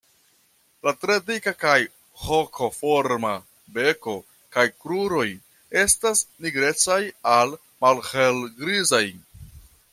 La tre dika kaj hokoforma beko kaj kruroj estas nigrecaj al malhelgrizaj.